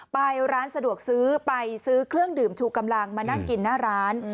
ไปร้านสะดวกซื้อไปซื้อเครื่องดื่มชูกำลังมานั่งกินหน้าร้าน